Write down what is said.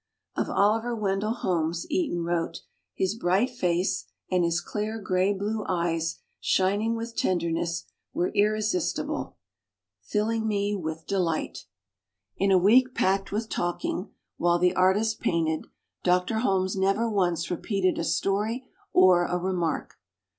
Of Oliver Wendell Holmes, Eaton wrote : "His bright face and his clear grey blue eyes shining with tender ness, were irresistible, filling me with 69 70 THE BOOKMAN delight/' In a week packed with talk ing, while the artist painted, "Dr. Holmes never once repeated a story or a remark".